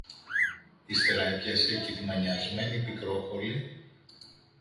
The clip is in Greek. Ύστερα έπιασε και τη μανιασμένη Πικρόχολη